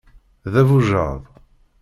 D abujad.